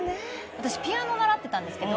私ピアノを習ってたんですけど。